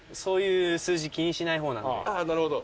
なるほど。